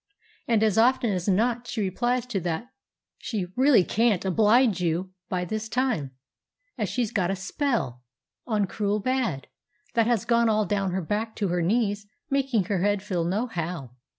And as often as not she replies that she "really can't oblige you" this time, as she's got a "spell" on cruel bad, that has gone all down her back to her knees, making her head feel nohow.